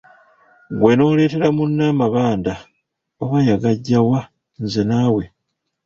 Ggwe n'oleetera munno amabanda! Oba yagaggya wa, nze naawe.